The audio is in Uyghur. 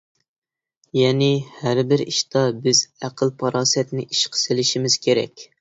يەنى، ھەر بىر ئىشتا بىز ئەقىل-پاراسەتنى ئىشقا سېلىشىمىز كېرەك.